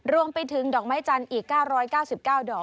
รวมไปถึงดอกไม้จันทร์อีก๙๙๙ดอก